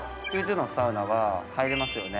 ℃のサウナは入れますよね。